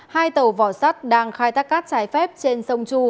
hai tàu vỏ sắt đang khai thác cát trái phép trên sông chu